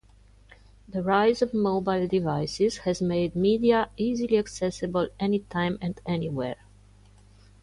The rise of mobile devices has made media easily accessible anytime and anywhere.